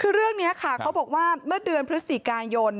คือเรื่องนี้ค่ะเขาบอกว่าเมื่อเดือนพฤศจิกายน